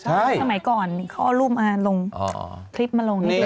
สมัยก่อนเขาเอารูปมาลงคลิปมาลงนิดนึ